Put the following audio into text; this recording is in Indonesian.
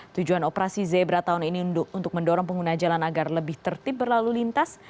tujuan operasi zebra tahun ini untuk mendorong pengguna jalan agar lebih tertib berlalu lintas